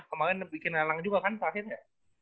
kemarin bikin nelang juga kan selanjutnya